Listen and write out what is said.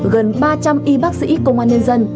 gần ba trăm linh y bác sĩ công an nhân dân